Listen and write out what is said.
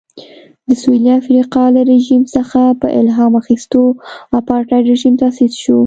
د سوېلي افریقا له رژیم څخه په الهام اخیستو اپارټایډ رژیم تاسیس شو.